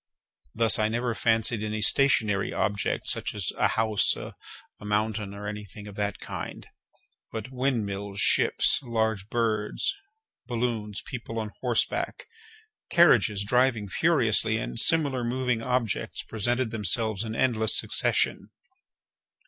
Thus, I never fancied any stationary object, such as a house, a mountain, or any thing of that kind; but windmills, ships, large birds, balloons, people on horseback, carriages driving furiously, and similar moving objects, presented themselves in endless succession.